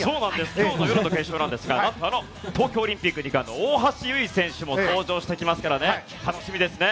今日の夜の決勝なんですがあの東京オリンピック２冠の大橋悠依選手も登場しますから楽しみですね。